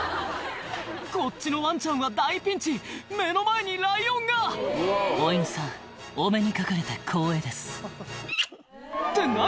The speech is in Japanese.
こっちのワンちゃんは大ピンチ目の前にライオンが「お犬さんお目にかかれて光栄です」って何？